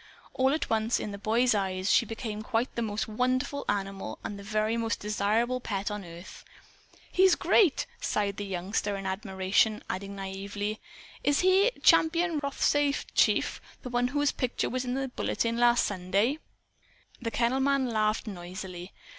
All at once, in the boy's eyes, she became quite the most wonderful animal and the very most desirable pet on earth. "He's great!" sighed the youngster in admiration; adding naïvely: "Is he Champion Rothsay Chief the one whose picture was in The Bulletin last Sunday?" The kennel man laughed noisily.